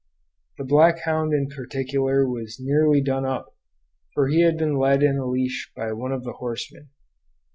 The black hound in particular was nearly done up, for he had been led in a leash by one of the horsemen.